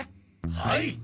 はい！